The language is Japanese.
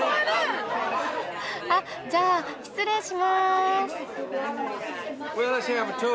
あっじゃあ失礼します。